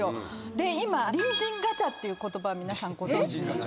で今隣人ガチャっていう言葉皆さんご存じ。